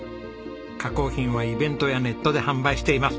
加工品はイベントやネットで販売しています。